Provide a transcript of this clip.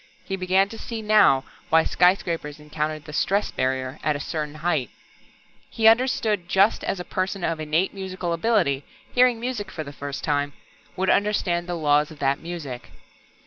He began to see now why skyscrapers encountered the "stress barrier" at a certain height. He understood it just as a person of innate musical ability, hearing music for the first time, would understand the laws of that music.